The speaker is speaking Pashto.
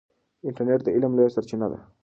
انټرنیټ د علم لویه سرچینه ده.